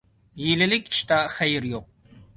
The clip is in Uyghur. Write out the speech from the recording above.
ھىيلىلىك ئىشتا خەير يوق.